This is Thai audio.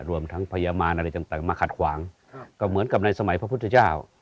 รวมทั้งพยาบาลอะไรต่างมาขัดขวางก็เหมือนกับในสมัยพระพุทธเจ้า